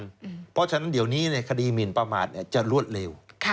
เพราะฉะนั้นเดี๋ยวนี้ในคดีหมินประมาทจะรวดเร็ว